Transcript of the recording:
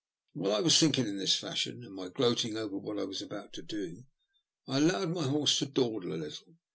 While I was thinking in this fashion, and gloating over what I was about to do, I allowed my horse to dawdle a little.